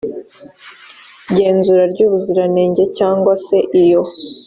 genzura ry ubuziranenge cyangwa se iyo